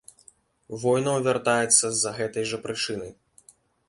Воінаў вяртаецца з-за гэтай жа прычыны.